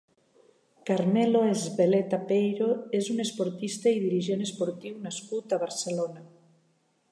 Carmelo Ezpeleta Peidro és un esportista i dirigent esportiu nascut a Barcelona.